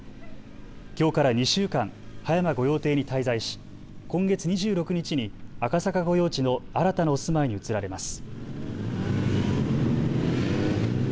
きょうから２週間、葉山御用邸に滞在し今月２６日に赤坂御用地の新たなお住まいに移られます。